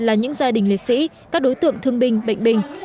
là những gia đình liệt sĩ các đối tượng thương binh bệnh binh